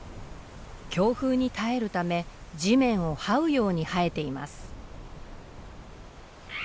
強風に耐えるため地面をはうように生えています。